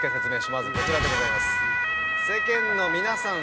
まずこちらでございます。